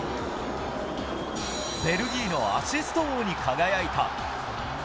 ベルギーのアシスト王に輝いた。